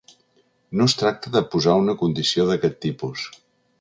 No es tracta de posar una condició d’aquest tipus.